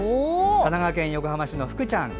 神奈川県横浜市のふくちゃん。